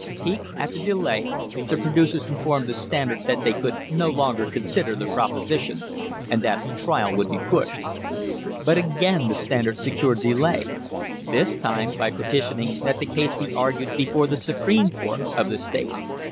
Piqued at the delay, the producers in formed the Standard that they could no longer consider their proposition and that the trial would^be pushed. But again the Standard secured delay — this time by peti tioning that the case be argued before the Supreme Court of the state.